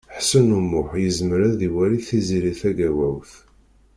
Ḥsen U Muḥ yezmer ad iwali Tiziri Tagawawt.